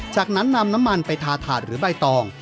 จากนั้นนำน้ำมันไปทาถาดหรือใบตอง